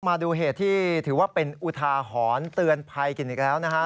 มาดูเหตุที่ถือว่าเป็นอุทาหรณ์เตือนภัยกันอีกแล้วนะฮะ